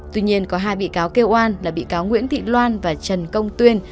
tuy nhiên có hai bị cáo kêu oan là bị cáo nguyễn thị loan và trần công tuyên